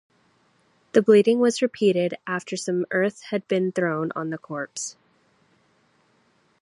The bleeding was repeated after some earth had been thrown on the corpse.